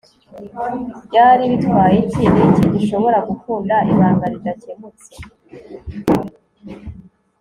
byari bitwaye iki? niki gishobora gukunda, ibanga ridakemutse